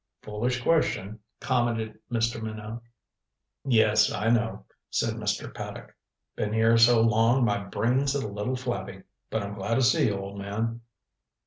"Foolish question," commented Mr. Minot. "Yes, I know," said Mr. Paddock. "Been here so long my brain's a little flabby. But I'm glad to see you, old man."